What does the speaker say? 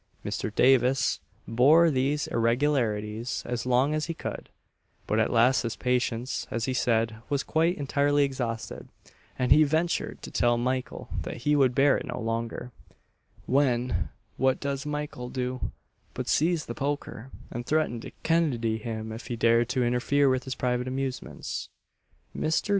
Mr. Davis bore these irregularities as long as he could, but at last his patience, as he said, was quite entirely exhausted, and he ventured to tell Mykle that he would bear it no longer; when, what does Mykle do, but seize the poker, and threaten to "Kennedy him" if he dared to interfere with his private amusements. Mr.